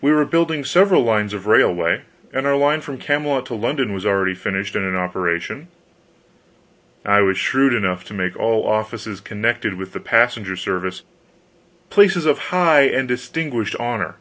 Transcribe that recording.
We were building several lines of railway, and our line from Camelot to London was already finished and in operation. I was shrewd enough to make all offices connected with the passenger service places of high and distinguished honor.